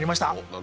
何？